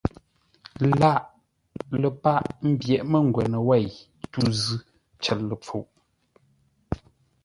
Laghʼ ləpâʼ ḿbyéʼ mə́ngwə́nə wêi tû zʉ́ cər ləpfuʼ.